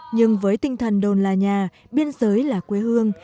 nhưng với tinh thần đồn là nhà biên giới là quê hương